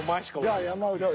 じゃあ山内やん。